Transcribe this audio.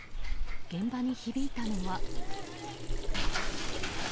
現場に響いたのは。